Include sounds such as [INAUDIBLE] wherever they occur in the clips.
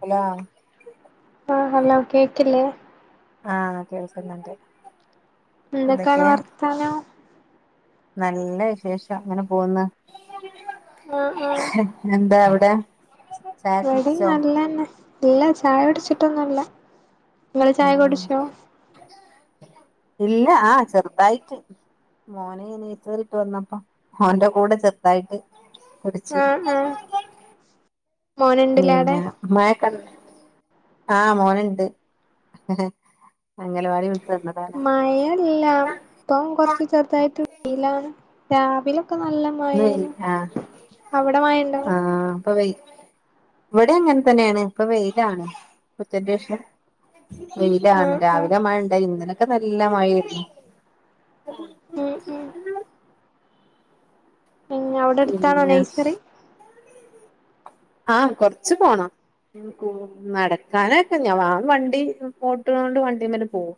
Hello ആഹ് hello കേക്കില്ലേ ആഹ് കേൾക്ന്ന്ണ്ട് എന്തൊക്കാണ് വർത്താനം നല്ല വിശേഷം അങ്ങനെ പോവുന്ന് ആഹ് ആഹ് എന്താ അവ്ടെ ഇവിടിം നല്ലെന്നെ ഇല്ല ചായുട്ച്ട്ടൊന്നുല്ല ഉം ഇല്ല ആഹ് ചെറ്തായിട്ട് മോനെ ഇനി [UNINTELLIGIBLE] വന്നപ്പോ ഓന്റെ കൂടെ ചെറ്തായിട്ട് കുടിച്ച് ആഹ് ആഹ് മോന്ണ്ട്ലേ അവ്ടെ പിന്നെ മയൊകൺ ആഹ് മോന്ണ്ട് അംഗലവാടി വിട് മയല്ല ഇപ്പം കൊർച് ചെർതായിട്ട് വെയിലാണ് രാവിലൊകെ നല്ല മയ് ഇന്ന് വയ് ആഹ് മഴണ്ടോ ആഹ് ഇപം വെയ് ഇവടിം അങ്ങൻ തന്നേണ് ഇപ്പൊ വെയിലാണ് ഉച്ചൻ്റേഷം വെയിലാണ് ആഹ് ആഹ് രാവിലെ മയണ്ടായീനി ഇന്നലൊകെ നല്ല മയേനി ഉം ഉം പിന്നവടെ എട്ത്താണോ പിന്നെ നെയ്സറി ആഹ് കൊർച്ച് പോണം നടക്കാനക്കെ ഞാൻ വാ വണ്ടി പോ ഓട്ടോണ്ട് വണ്ടി വരെ പോകും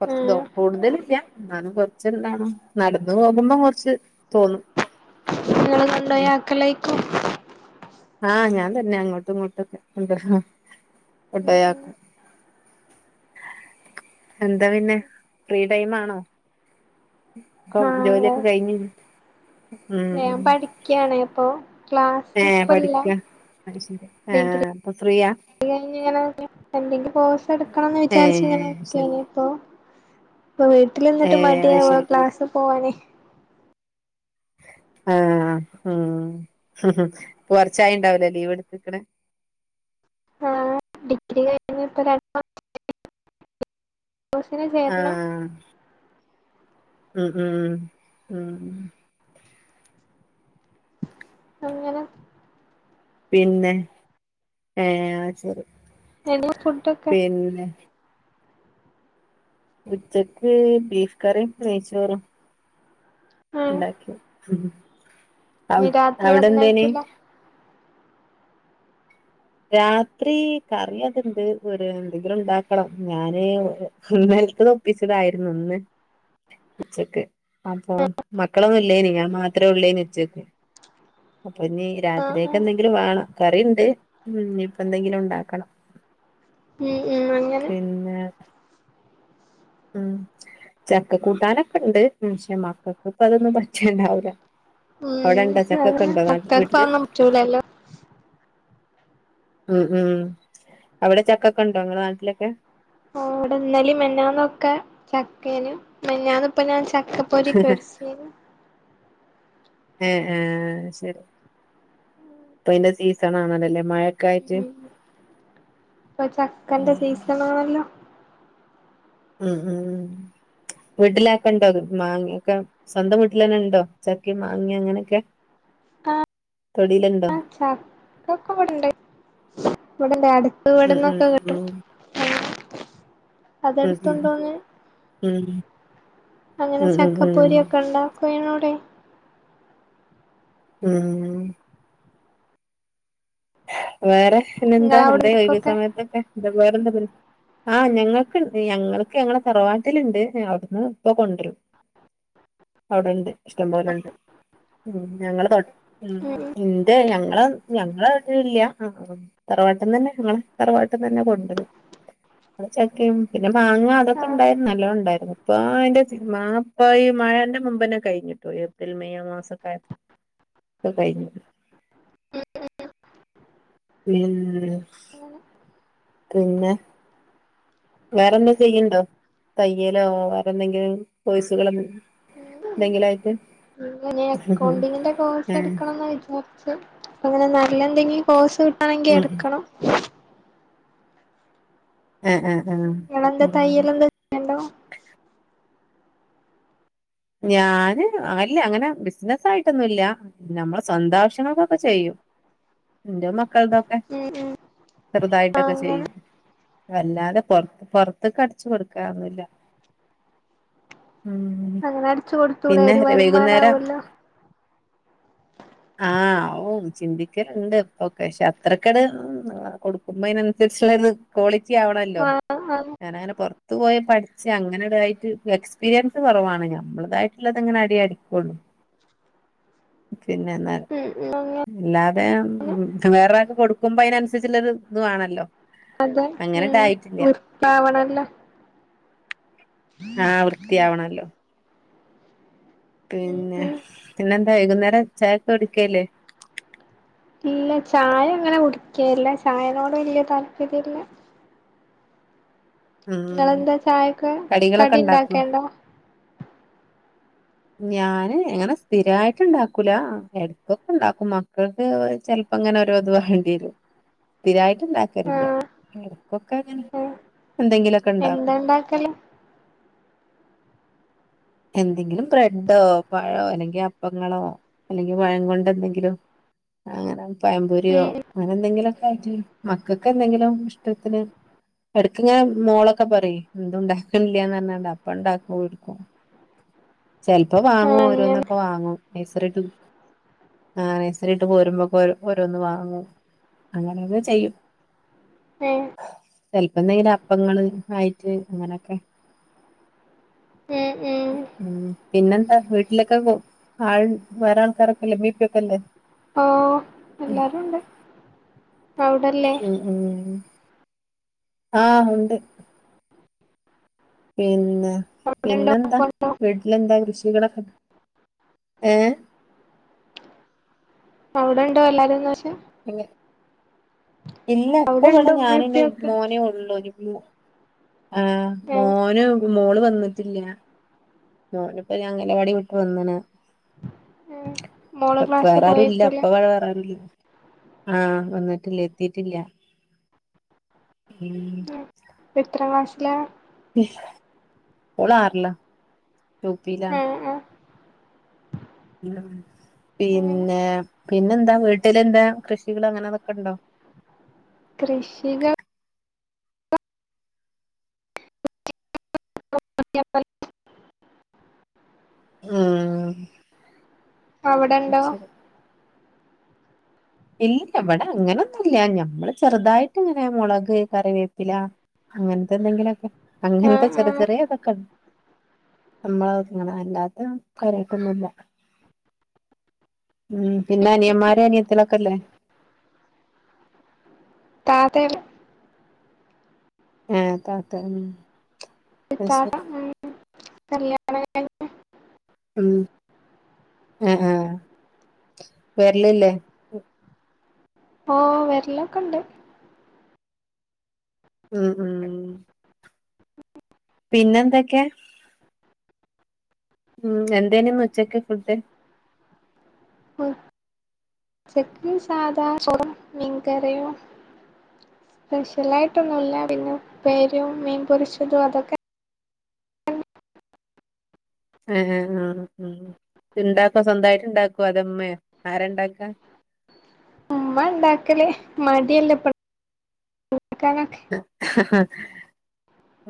കുറച്ച് ഉം കൂടുതലില്ല എന്നാലും കൊറച്ച് എന്താണ് നടന്നു പോകുമ്പോ കുറച്ച് തോന്നും നിങ്ങള് ഉം കൊണ്ടയാ ആക്കലായിക്കും ആഹ് ഞാൻ തന്നെ അങ്ങോട്ടും ഇങ്ങോട്ടൊക്കെ എ ഉം കൊണ്ടോയ്യാക്കും ഉം എന്താ പിന്നെ ഫ്രീ ടൈം ആണോ ഇപ്പം ആഹ് ജോലിയൊക്കെ കഴിഞ്ഞു ഉം യ്ക്കാണെ അപ്പൊ ക്ലാസ് ഏഹ് ഇപ്പല്ല പഠിക്ക ആഹ് അപ്പൊ ഫ്രീയാ കഴിഞ്ഞ എന്തെങ്കില [UNINTELLIGIBLE] പോസ് എടുക്കണം എന്ന് വിചാരിച്ചു ഏഹ് ഇങ്ങനെ ശരി നിൽക്കുണ് അപ്പോ ഇപ്പ വീട്ടിൽ നിന്നിട്ട് ഏഹ് അത് മടിയാവ ശരി ക്ലാസിൽ പോവാനേ ആഹ് ഉം കുറച്ചായി ണ്ടാവലേ ലീവ് എടുത്തിക്കണ ആഹ് ഡിഗ്രി കഴി ഇപ്പ രണ്ടസ കോഴ്സിന് ചേരണം [UNINTELLIGIBLE] ആഹ് ഉം ഉം ഉം അങ്ങനെ പിന്നെ ഏഹ് അത് ശരി എങ്ങ ഫുഡൊക്കെ പിന്നെ ഉച്ചക്ക് ബീഫ് കറിയും നെയ്യ്ച്ചോറും ആഹ് ഉണ്ടാക്കി ഉം ഇനി അവി രാത്രി അവിടെ എന്തേന് അതിനായിക്കില്ല രാത്രി കറി [UNINTELLIGIBLE] ഒരു എന്തെങ്കിലും ഉണ്ടാക്കണം ഞാന് ന്നലത്ത് തൊപ്പിച്ചതായിരുന്നു ഒന്ന് ഉച്ചക്ക് അപ്പൊ മക്കളൊന്നുമല്ലേന ഞാൻ മാത്രേ ഉള്ളേനി ഉച്ചക്ക് അപ്പൊ ഇന്നീ ആഹ് രാത്രിയക്ക് ആഹ് എന്തെങ്കിലും വേണം കറിയുണ്ട് ഉം ഇപ്പം എന്തെങ്കിലും ഉണ്ടാക്കണം ഉം ഉം അങ്ങനെ പിന്നെ ഉം [UNINTELLIGIBLE] ചക്ക കൂട്ടാനൊക്കെ ഉണ്ട് പക്ഷെ മക്കൾക്ക് ഇപ്പ അതൊന്നും പച്ചുണ്ടാവൂല്ല ഉം മക്കക്ക് വീട്ടില് അതൊന്നും പറ്റൂലല്ലേ ഉം ഉം അവിടെ ചക്കൊക്കെ ഉണ്ടോ നിങ്ങടെ നാട്ടിലൊക്കെ ഓ അവിടെ ഇന്നാലെ മിനഞ്ഞാന്നൊക്കെ ചക്കേന് മെനഞ്ഞാന്ന് ഇപ്പം ഞാൻ ചക്ക പൊരി പൊരി [UNINTELLIGIBLE] ഏഹ് ആഹ് ശരി ഇപ്പൊ ഇതിന്റെ സീസൺ ആണല്ലല്ലേ മഴ ഉം ഇപ്പൊ ചക്കന്റെ സീസണാണല്ലോ ഉം ഉം വീട്ടിലക്കണ്ടോ മാങ്ങ ഒക്കെ സ്വന്തം വീട്ടിലന്നെ ഉണ്ടോ ചക്ക മാങ്ങ അങ്ങനെയൊക്കെ ആ തൊടിയിലുണ്ടോ ആഹ് ചക്കൊക്കെ ഇവിടുണ്ട് ഇവിടണ്ട് അടുത്ത് ഉം ഇവിടുന്നൊക്കെ കിട്ടും ഉം ഉം ഉം അതെടുത്തുണ്ടോണ്ട് വന്ന് ഉം അങ്ങനെ ഉം ഉം ഉം ചക്കപ്പൊരി ഒക്കെ ഉണ്ട [UNINTELLIGIBLE] ഉം വേറെ പിന്നെന്താ എന്തേ ഒഴിവ് നിങ്ങളവിടക്കൊക്കെ സമയത്തൊക്കെ വേറെന്ത പരി ആഹ് ഞങ്ങൾക്ക് ഞങ്ങൾക്ക് ഞങ്ങളെ തറവാട്ടിലുണ്ട് അവിടുന്ന് ഇപ്പൊ കൊണ്ടുവരും അവിടെണ്ട് ഇഷ്ടംപോലുണ്ട് ഉം ഞങ്ങള് തൊ ഉം ഇന്റെ ഞങ്ങള് ഞങ്ങള് ല്ല തറവാട്ടീന്ന് തന്നെ ഞങ്ങള് തറവാട്ടീന്ന് തന്നെ കൊണ്ടുവരും അത് ചക്കയും പിന്നെ മാങ്ങ അതൊക്കെ ആഹ് ഉണ്ടായിരുന്നു നല്ല ഉണ്ടായിരുന്നു ഇപ്പൊ അതിന്റെ മാങ്ങ ഈ മഴേന്റെ മുമ്പനെ കഴിഞ്ഞിട്ടോ ഏപ്രിൽ മെയ് ആ മാസക്കാലത്ത് ഒക്കെ കഴിഞ്ഞു ഉം ങ്ങനെ പിന്നെ വേറെന്തും ചെയ്യ്ണ്ടോ തയ്യലോ വേറന്തെങ്കിലും പോയ്സുകളൊന്ന എന്തെങ്കിലും ആയിട്ട് അങ്ങനൊ എക്കൗണ്ടിങ്ങിന്റെ കോഴ്സ് ആഹ് എട്ക്കണംന്ന് വിചാരിച്ച്അങ്ങനെ നല്ല ന്തെങ്കിലും കോഴ്സ്. ആണെങ്കി ഉം എട്ക്കണം ആഹ് ആഹ് ആഹ് നിങ്ങളെന്താ ഊം തയ്യലെന്താ ചെയ്യണ്ടോ ഞ്യാന് അല്ലഅങ്ങനെ ബിസ്നസായിട്ടൊന്നുല്ല. നമ്മളെ സ്വന്താവശ്യങ്ങൾക്കൊക്കെ ചെയ്യും. ഇന്റെ മക്കൾതൊ എഹ് ഉം ഉം ആഹ് ചെറുതായിട്ടൊക്കെ അങ്ങനെ ചെയ്യും. വെല്ലാതെ പൊർ പൊർത്ത്ക്ക് അടിച്ച് കൊടുക്കാനുല്ല മം [UNINTELLIGIBLE] അങ്ങനെഅടിച്ച്കൊടുത്തൂടെ ഒരു വരുമാനാവ്വാല്ലോ? ആഹ് ആ ഓ ചിന്തിക്കല്ണ്ട് പ്പൊക്കെക്ഷെ അത്രക്കട് കൊടുക്കുമ്പോ അയ് നൻ സരിച്ച്ള്ളേത്. കോളിറ്റി ആവണല്ലോ ആഹ് ആഹ് ഞാനങ്ങനെ പൊർത്ത് പോയി പഠി പക്ഷെ അങ്ങനെട്തായിട്ട് എക്സ്പീരിയൻസ് കൊറവാണ് ഞാ വെളുതായിട്ട്ള്ളതങ്ങനെ അടി അടിക്കൊള്ളൂ പിന്നെന്നാ [UNINTELLIGIBLE] ല്ലാതെ അങ്ങനെ വേറെരാൾക്ക്‌ കൊടുക്കുമ്പോ അയ്നൻസരിച്ചുള്ളരുത് വാണല്ലോ. അതെ ഉം വൃത്തിയാവണല്ലൊ ആഹ് വൃത്യാവണല്ലോ. ഉം പിന്നെ ഉം പിന്നെന്താ വൈകുന്നേരം ചായക്ക്‌കൊടിക്കല് ല്ലേ ഇല്ല ചായങ്ങനെ കുടിക്കേൽല്ല ചായനോട് വെല്ല്യതാല്പര്യല്ല. ഉം ഇങ്ങളെന്താ ചായൊക്ക്‌ കടികളൊക്കെ കടി ഉണ്ടാക്കും ണ്ടാക്കല്ണ്ടോ ഞാന് ഇങ്ങനെ സ്ഥിരായിട്ട് ഇണ്ടാക്കൂല എട്ക്കൊക്കെണ്ടാക്കും മക്കൾക്ക് ചെൽ പ്പങ്ങനെഓരോ ഇത് വാഡ്യേരും സ്ഥിരായിട്ട്ണ്ടാക്കൽല്ല്യ. ആഹ് ഇടക്കൊക്കങ്ങനെ എന്തെങ്കിലു എന്താണ്ടാക്കല്. എന്തെങ്കിലും ബ്രെഡോ പഴോ അല്ലെങ്കി അപ്പങ്ങളോ അല്ലെങ്കി പഴം കൊണ്ടന്തെങ്കിലും അങ്ങനെ പഴം പൊരിയോ ഉം അങ്ങനെ എന്തെങ്കിലൊക്കആയിട്ട് മക്കക്ക് എന്തെങ്കിലും ഇഷ്ടത്തിന് എടക്ക്‌ങ്ങനെ മോളൊക്കെ പറയു എന്തുണ്ടാക്കുന്നില്ല്യാന്ന് പറഞ്ഞ അപ്പ ണ്ടാക്ക്‌കൊടുക്കും. ചെൽപ്പ വാങ്ങും ആഹ് അങ്ങനെ ഓരോന്നൊക്കെ വാങ്ങും നൈസറിയ്ട്ട്. ആഹ് നഴ്സറിട്ട് പോരുമ്പോക്കൊരോ ഓരോന്ന് വാങ്ങും അങ്ങന അത് ചെയ്യും ചെൽപ്പോന്തെങ്കിലും അപ്പങ്ങള് ആയിട്ട് ങ്ങനൊക്കെ ഉം ഉം ഉം പിന്നന്താ വീട്ടിലൊക്കെ വൊ ആൾ വേറെ ആൾക്കാരൊക്കെല്ലേ ഇമ്മിഇപ്പി ഒക്കല്ലേ? ഓ എല്ലാരുംണ്ട് ഔടല്ലേ. ഉം ഉം ആഹ് ഉണ്ട് പിന്നെ അവിടെണ്ടോ പിന്നെന്താ ഉപ്പണ്ടോ വീട്ട്ലെന്താ കൃഷികളൊക്കെ ഏ അവിടെണ്ടോ എല്ലാരുംന്ന് വെച്ച ഇല്ല ഇപ്പൊ അവിടെണ്ട് ഇവടെ ഉമ്മീം ഉപ്പിയൊക്കെ ഞാനുന്റെമോനേ ഒള്ളൂ ഒരുവ്യൂ ആഹ് ഏഹ് മോനു മോള് വന്ന്ട്ട്ല്ല്യാ മോന്പ്പ ഞാ അംഗലവാടിട്ട് വന്ന്ണ് ഏഹ് മോള് പ ക്ലാസ് വേറാരുല്ല പോയേക്കൂലേ ഇപ്പവ്ട വേറാരുല്ല് ആഹ് വന്നിട്ടില്ല എത്തിട്ടില്ല ഉം. പ്പെ എത്ര ക്ലാസ്സ്ലാ? ഏഹ്, ഒളാർല യു പില. ആഹ് ആഹ് അങ്ങനെ പിന്നെ പിന്നെന്താ വീട്ടിലെന്താ കൃഷികൾ അങ്ങനെ അതൊക്കെ ഇണ്ടോ? കൃഷിന [UNINTELLIGIBLE] ഊം അവടെണ്ടോ? ഇല്ല വടെങ്ങനൊന്നുല്ല ഞമ്മള് ചെറുതായിട്ട്ങ്ങനെ മുളക്, കറിവേപ്പിലാ അങ്ങൻത്തെ ന്തെങ്കിലൊക്കെ അങ്ങൻത്തെ ആഹ് ചെറി ആഹ് ചെറിയ തൊക്കെ നമ്മളങ്ങന അല്ലാത്ത കാര്യായിട്ടൊന്നുല്ല. ഉം. പിന്ന നിയമ്മാരു അനിയത്ത്യളൊക്കെല്ലേ? ത്താത്തെ ഏഹ് താത്തെയാ ഉം അത് ത്താത്ത ശരി ഉം കല്യാണ [UNINTELLIGIBLE] ഉം എ ആഹ് വെരലില്ലേ? ഓഹ് വെരലൊക്കെണ്ട് ഉം ഉം പിന്നെന്തൊക്കെയാ? ഊം. എന്തേനിന്നുച്ചക്ക് ഫുഡ്ഡ്? ച്ചക്ക് സാദാ ചോറും മീങ്കറിയു പെഷ്യലായിട്ടൊന്നുല്ല പിന്നെ ഉപേര്യും മീൻ പൊരിച്ചതും അതൊക്കെ ഏഹ് ഏ ആഹ് ആഹ് ത്ണ്ടാക്കോ സ്വന്തായിട്ട് ണ്ടാക്കോ അതോ മ്മേ? ആരാണ്ടാക്കാ? മ്മാ ണ്ടാക്കല് ഹ് മടിയല്ലെപ്പൾ [UNINTELLIGIBLE] ക്കാന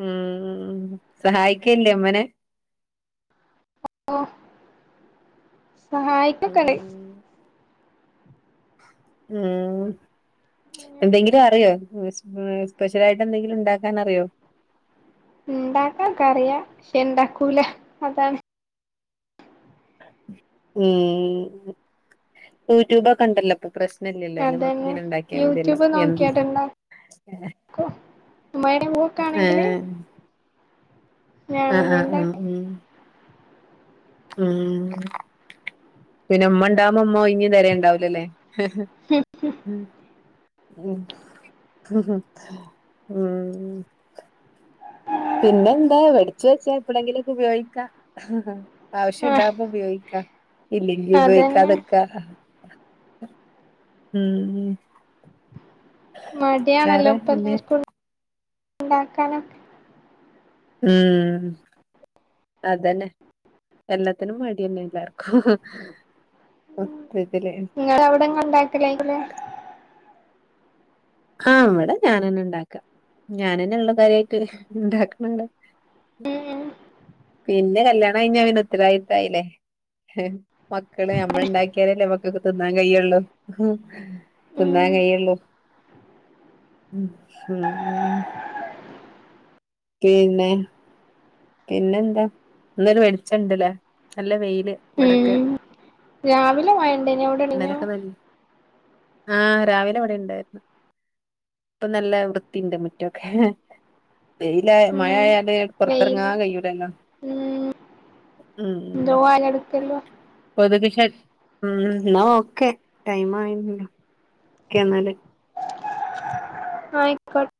ഊം സഹായിക്കല്ലേ മ്മനെ? ഓഹ് സഹായിക്കൊക്കണ്ട് ഉം ഊം എന്തെങ്കിലും അറിയോ ഉം സ് സ്പെഷ്യലായിട്ടന്തെങ്കിലും ണ്ടാക്കാനറിയോ? ണ്ടാക്കാൻക്കറിയ ക്ഷെ ണ്ടാക്കൂല അതാണ് ഊം യൂടൂബൊക്ക ണ്ടല്ലൊ പ്പ പ്രസ് നംല്ലല്ലോ അയ്ല് നോക്കി അതന്നെ ങ്ങനെണ്ടാക്കിയാ മതിയല്ലോ യൂട്യൂബ് യെൻ നോക്കിയാട്ട് [UNINTELLIGIBLE] ഉമ്മായുടെ മൂക്കാണെങ്കില് അ ആഹ് അ ഉണ്ടാക്കും ഉം ഊം പിന്നമ്മ ണ്ടാവുമ്പം മ്മ ഒയിഞ്ഞ് തെരണ്ടാവൂലല്ലേ? ഹ് ഹ് [UNINTELLIGIBLE] ഉം പിന്നെന്താ പടിച്ച് വെച്ചാ എപ്പളങ്കി ലൊക്കെ പയോഗിക്കാ ഹ ഹ ആഹ് ആവശ്യണ്ടാകുമ്പോ പയോഗിക്കാ ഇല്ലെങ്കി അതന്നെ ഉപയോഗിക്കാത ക്ക അ ഊം പിന്നെ മടിയാണല്ലോപ്പെല്ലാര്ക്കു ണ്ടാക്കാനൊക് ഊം. അതെന്നെ എല്ലത്തിനും മടിഎന്നെ എല്ലാർക്കു മൊത്തത്തില് ങ്ങടെ വിടെ ങ്ങള് ണ്ടാക്കല [UNINTELLIGIBLE] ആഹ് വടെ ഞാനെന്ന ണ്ടാക്കാ ഞാനെന്നെ ള്ളു കാര്യായിറ്റ് ണ്ടാക്കണ് ള്ളെ ഉം പിന്നെ കല്യാണയി ഞ്ഞാ പിന്നു ത്തരവായിത്തായില്ലേ ഹെ മക്കള് ഞമ്മള് ണ്ടാക്കിയാലല്ലേ മക്കക്ക് ത് ന്നാ കയ്യുള്ളു. ഹ് ഉം ത്‌ന്നാം കയുള്ളൂ ഉം ഉ ഊം പീന്നെ പിന്നെന്താ? ന്നൊര് ‌ വെളിച്ചണ്ട്ല്ലേ. നല്ല വെയില് ഉം വടൊക്കെ ഉം രാവിലെ മഴ ഇണ്ടേനോ എവിടെണഞ്ഞോ ഇന്നലൊക്കെ നല്ല ആഹ് രാവിലെ ഇവിടെ ഇണ്ടായിരുന്നു ഇപ്പ നല്ല വൃത്തിണ്ട് മുറ്റൊക്കെ വെയില ഉം മഴായാല പുറ ത്രങ്ങാ വെയില് കൈയൂല്ലല്ലോ ഉം ന്തേ വാല അടുക്കല്ലോ കൊത്ക് ശല് ഉം എന്നാ ഓക്കെ ടൈം ആയില്ലോ ക്കെ എന്നാല് ആയിക്കോട്ടെ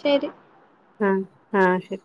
ശരി ആഹ ആഹ ശരി